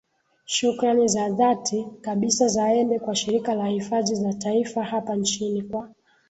Shukrani za dhati kabisa zaende kwa Shirika la Hifadhi za Taifa hapa nchini kwa